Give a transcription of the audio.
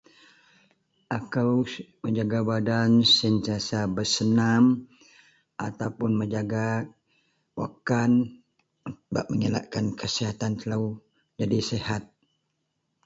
Akou menjaga badan sentiasa besenam atau puon menjaga wakkan bak elakkan kesehatan telo jadi sehat.